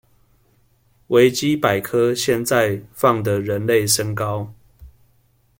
維基百科現在放的人類身高